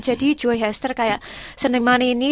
jadi joy hester kayak seniman ini